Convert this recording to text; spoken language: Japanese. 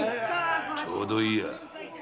ちょうどいいや。